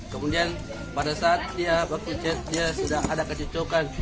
kemudian pada saat dia baku chat dia sudah ada kecocokan